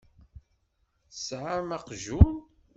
Tesɛam aqjun?